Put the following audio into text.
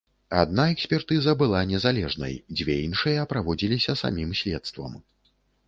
Адна экспертыза была незалежнай, дзве іншыя праводзіліся самім следствам.